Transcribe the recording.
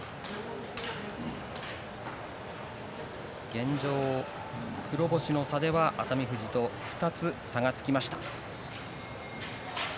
現状、黒星の差では熱海富士と２つ差がつきました。